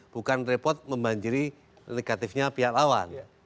bukan repot membanjiri negatifnya pihak lawan